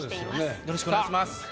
よろしくお願いします。